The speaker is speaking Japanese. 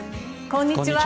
こんにちは。